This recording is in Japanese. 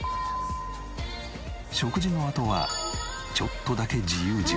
食事のあとはちょっとだけ自由時間。